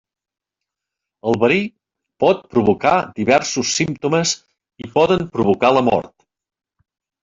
El verí pot provocar diversos símptomes i poden provocar la mort.